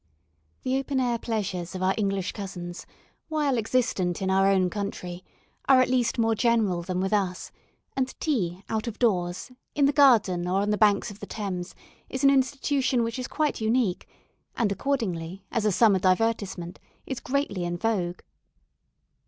The open air pleasures of our English cousins, while existent in our own country, are at least more general than with us, and tea out of doors, in the garden, or on the banks of the Thames is an institution which is quite unique, and accordingly, as a summer divertisement, is greatly in vogue.